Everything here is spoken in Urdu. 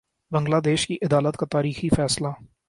بنگلہ دیش کی عدالت کا تاریخی فیصلہ